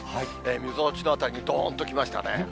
みぞおちのあたりにどーんと来ましたね。